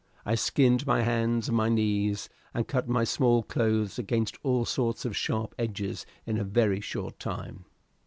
I skinned my hands and my knees, and cut my small clothes against all sorts of sharp edges in a very short time.